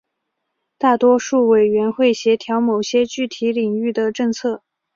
大多数委员会协调某些具体领域的政策。